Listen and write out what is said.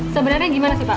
sebenarnya gimana sih pak